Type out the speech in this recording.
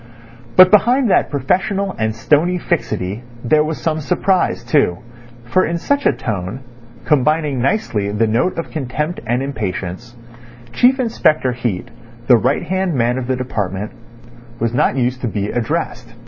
But behind that professional and stony fixity there was some surprise too, for in such a tone, combining nicely the note of contempt and impatience, Chief Inspector Heat, the right hand man of the department, was not used to be addressed.